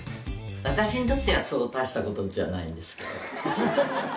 私にとってはそう大したことじゃないんですけど。